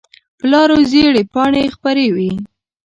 په لارو زېړې پاڼې خپرې وي